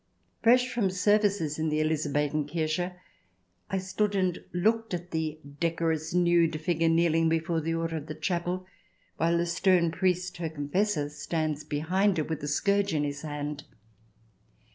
Fresh from services in the Eliza bethen Kirche, I stood and looked at the decorous nude figure kneeling before the altar of the chapel, while the stern priest, her confessor, stands behind her, with the scourge in his hand.